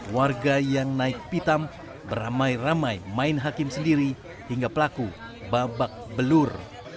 warga yang naik pitam beramai ramai main hakim sendiri hingga pelaku babak belur